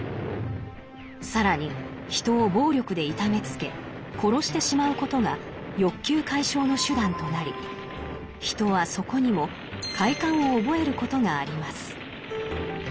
更に人を暴力で痛めつけ殺してしまうことが欲求解消の手段となり人はそこにも快感を覚えることがあります。